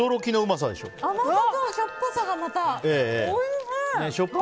甘さとしょっぱさが、また。